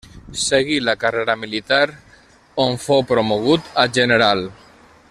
Seguí la carrera militar, on fou promogut a general.